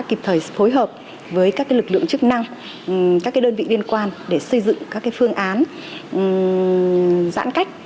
kịp thời phối hợp với các lực lượng chức năng các đơn vị liên quan để xây dựng các phương án giãn cách